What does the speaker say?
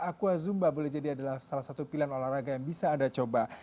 aqua zumba boleh jadi adalah salah satu pilihan olahraga yang bisa anda coba